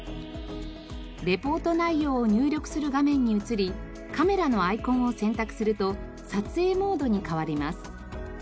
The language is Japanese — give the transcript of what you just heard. レポート内容を入力する画面に移りカメラのアイコンを選択すると撮影モードに変わります。